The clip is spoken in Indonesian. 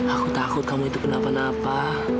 aku takut kamu itu kenapa napa